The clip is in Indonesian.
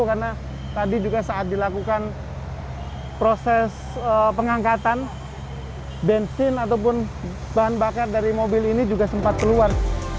karena tadi juga saat dilakukan proses pengangkatan bensin ataupun bahan bakar dari mobil ini juga sempat keluar